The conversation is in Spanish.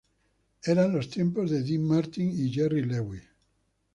Eran los tiempos de Dean Martin y Jerry Lewis.